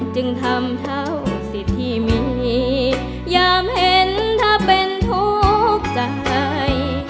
จึงทำเท่าสิทธิ์ที่มียามเห็นเธอเป็นทุกข์ใจ